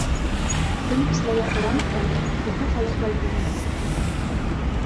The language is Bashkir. Көн кисләүгә ҡарамаҫтан, бында халыҡ байтаҡ ине.